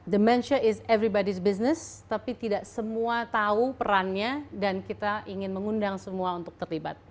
demensia is everybodys ⁇ business tapi tidak semua tahu perannya dan kita ingin mengundang semua untuk terlibat